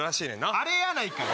あれやないかい！